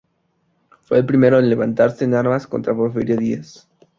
Fue el primero en levantarse en armas contra Porfirio Díaz.